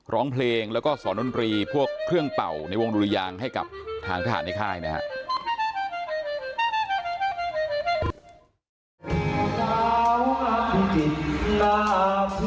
ร้องเพลงแล้วก็สอนดนตรีพวกเครื่องเป่าในวงดุริยางให้กับทางทหารในค่ายนะครับ